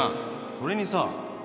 それにさ